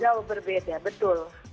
sangat jauh berbeda betul